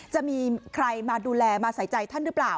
จะมีใครมาดูแลมาใส่ใจท่านหรือเปล่า